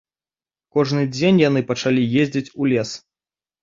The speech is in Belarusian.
Кожны дзень яны пачалі ездзіць у лес.